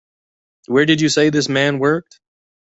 Where did you say this man worked?